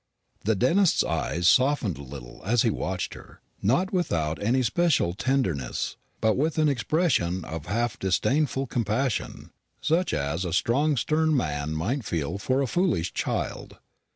The dentist's eyes softened a little as he watched her, not with any special tenderness, but with an expression of half disdainful compassion such as a strong stern man might feel for a foolish child.